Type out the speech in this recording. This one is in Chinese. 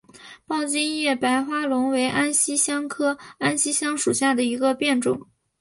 抱茎叶白花龙为安息香科安息香属下的一个变种。